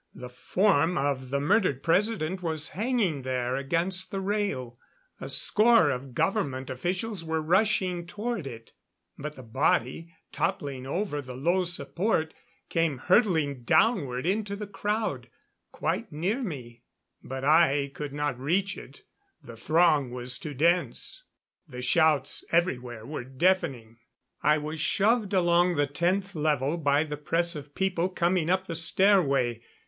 The form of the murdered President was hanging there against the rail; a score of government officials were rushing toward it; but the body, toppling over the low support, came hurtling downward into the crowd, quite near me; but I could not reach it the throng was too dense. The shouts everywhere were deafening. I was shoved along the Tenth Level by the press of people coming up the stairway.